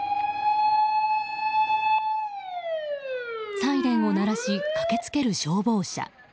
サイレンを鳴らし駆けつける消防車。